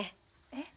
えっ？